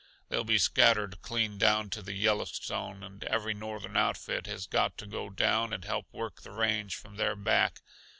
They'll be scattered clean down to the Yellowstone, and every Northern outfit has got to go down and help work the range from there back.